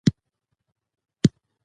تاریخ د قوم حافظه ده.